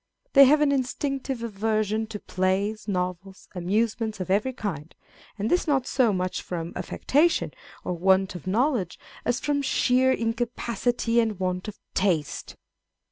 They have an instinctive aversion to plays, novels, amusements of every kind ; and this not so much from affectation or want of knowledge as from sheer incapacity and want of taste.